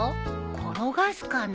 転がすかな。